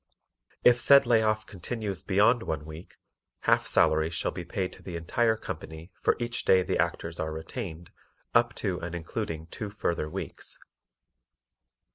If said lay off continues beyond one week, half salaries shall be paid to the entire company for each day the Actors are retained up to and including two further weeks.